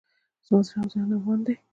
زما زړه او ذهن افغان دی.